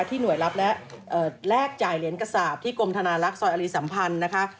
หน่วยรับและแลกจ่ายเหรียญกระสาปที่กรมธนารักษ์ซอยอลีสัมพันธ์นะคะ